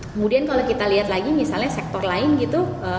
kemudian kalau kita lihat lagi misalnya sektor lain gitu